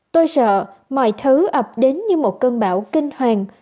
tôi sợ mọi thứ ập đến như một cơn bão kinh hoàng